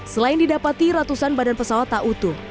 selain didapati ratusan badan pesawat tak utuh